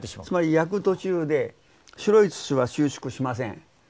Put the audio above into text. つまり焼く途中で白い土は収縮しません